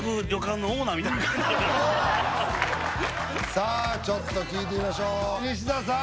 さあちょっと聞いてみましょう西田さん。